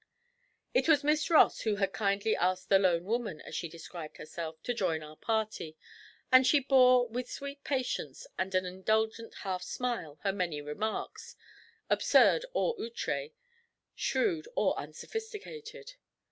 It was Miss Ross who had kindly asked the 'lone woman,' as she described herself, to join our party; and she bore with sweet patience and an indulgent half smile her many remarks, absurd or outré, shrewd or unsophisticated.